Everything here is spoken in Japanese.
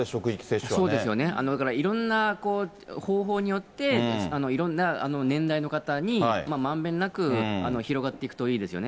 そうですね、だからいろんな方法によって、いろんな年代の方にまんべんなく広がっていくといいですよね。